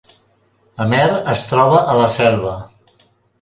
Amer es troba a la Selva